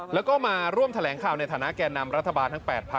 แล้วก็มาร่วมแถลงข่าวในฐานะแก่นำรัฐบาลทั้ง๘พัก